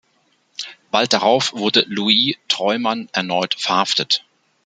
Bald darauf wurde Louis Treumann erneut verhaftet.